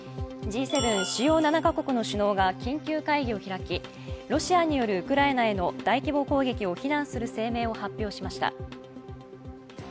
Ｇ７＝主要７か国の首脳が緊急会議を開き、ロシアによるウクライナへの大規模攻撃を非難する声明を発表しました。